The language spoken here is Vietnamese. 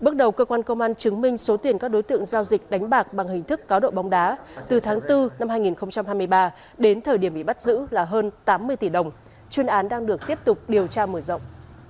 công đã từ tháng bốn năm hai nghìn hai mươi ba đến thời điểm bị bắt giữ là hơn tám mươi tỷ đồng chuyên án đang được tiếp tục điều tra mở rộng